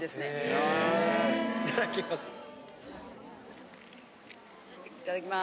・へぇ・いただきます。